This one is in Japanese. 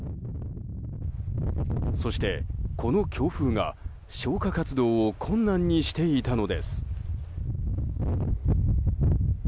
そして、この強風が消火活動を困難にしていたのです。